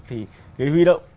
thì cái huy động